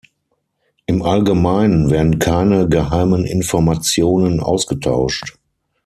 Im Allgemeinen werden keine geheimen Informationen ausgetauscht.